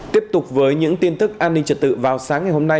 tiếp tục với những tin tức an ninh trật tự vào sáng ngày hôm nay